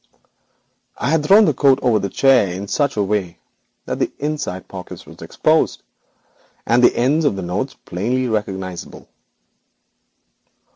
I had thrown the coat across the chair back in such a way that the inside pocket was exposed, leaving the ends of the notes plainly recognisable.